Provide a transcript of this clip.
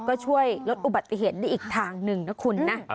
ก็ช่วยลดอุบัติเหตุได้อีกทางหนึ่งนะคุณนะ